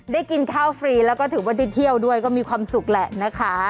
กินข้าวฟรีแล้วก็ถือว่าได้เที่ยวด้วยก็มีความสุขแหละนะคะ